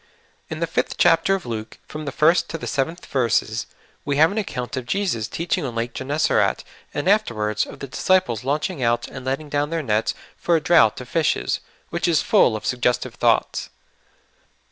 IN the 5th chapter of Luke, from the first to the sev enth verses, we have an account of Jesus teaching on Eake Gennesaret, and afterwards of the disciples launching out and letting down their nets for a draught of fishes, which is full of suggestive thoughts.